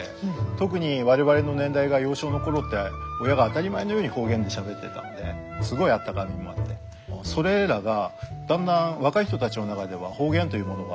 特に我々の年代が幼少の頃って親が当たり前のように方言でしゃべってたんですごいあったかみもあってそれらがだんだん若い人たちの中では方言というものは風化して。